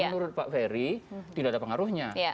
menurut pak ferry tidak ada pengaruhnya